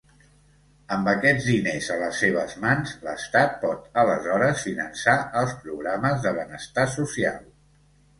Amb aquests diners a les seves mans, l'Estat pot aleshores finançar els programes de benestar social.